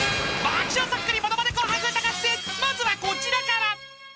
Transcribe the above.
［まずはこちらから］